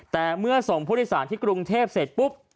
แต่เมื่อส่งผู้โดยสารที่กรุงเทพเสร็จปุ๊บ